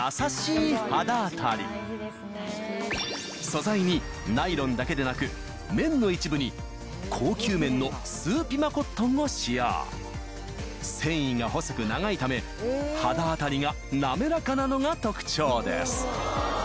素材にナイロンだけでなく綿の一部に高級綿のスーピマコットンを使用繊維が細く長いため肌あたりがなめらかなのが特長です